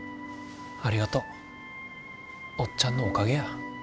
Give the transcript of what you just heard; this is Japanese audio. ありがとう。おっちゃんのおかげや。